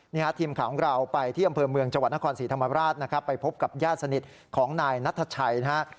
ทีมข่าวของเราไปที่อำเภอเมืองจังหวัดนครศรีธรรมราชนะครับไปพบกับญาติสนิทของนายนัทชัยนะฮะ